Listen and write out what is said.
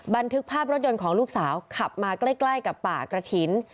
บันทึกภาพรถยนต์ของลูกสาวขับมาใกล้กับป่ากระถิ่น